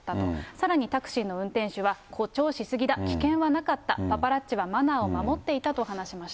さらにタクシーの運転手は、誇張しすぎだ、危険はなかった、パパラッチはマナーを守っていたと話しました。